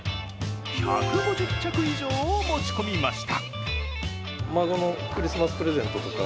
１５０着以上を持ち込みました。